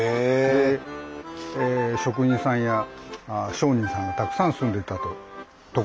で職人さんや商人さんがたくさん住んでた所です。